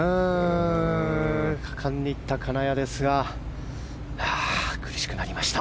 果敢にいった金谷ですが苦しくなりました。